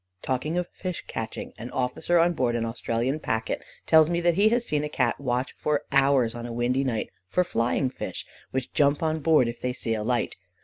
Talking of fish catching, an officer on board an Australian packet tells me that he has seen a Cat watch for hours on a windy night for flying fish, which jump on board if they see a light.